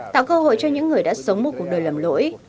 tạo cơ hội cho những người đã sống một cuộc đời lầm lỗi